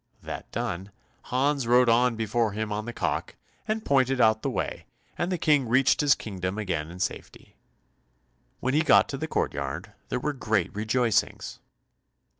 That done, Hans rode on before him on the cock, and pointed out the way, and the King reached his kingdom again in safety. When he got to the courtyard, there were great rejoicings.